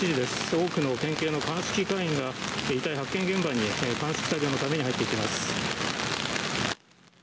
多くの県警の鑑識課員が遺体の発見現場に鑑識作業のために入ってきます。